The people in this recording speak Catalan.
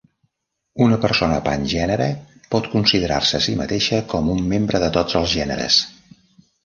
Una persona pangènere pot considerar-se a si mateixa com un membre de tots els gèneres.